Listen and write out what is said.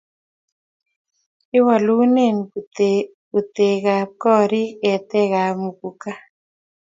iwolunen butekab korik etekab muguka